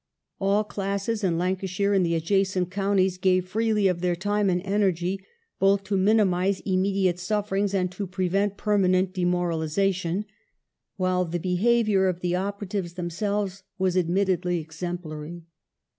All classes in Lancashire and the adjacent counties gave freely of their time and energy both to minimize immediate sufferings and to prevent per manent demoralization, while the behaviour of the operatives them selves was admittedly exemplary.